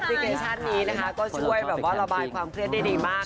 แอปพลิเคชันนี้นะคะก็ช่วยระบายความเครียดได้ดีมาก